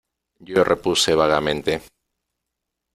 yo repuse vagamente :